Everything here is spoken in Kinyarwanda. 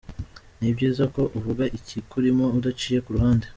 Ni byiza ko uvuga ikikurimo udaciye ku ruhande.